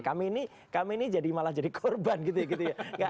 kami ini malah jadi korban gitu ya